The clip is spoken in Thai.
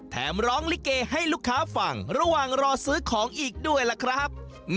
แถมร้องลิเกให้ลูกค้าฟังระหว่างรอซื้อของอีกด้วยล่ะครับ